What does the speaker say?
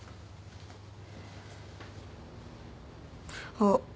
あっ。